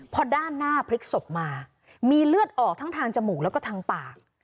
พอด้านหน้าพลิกศพมามีเลือดออกทั้งทางจมูกแล้วก็ทางปาก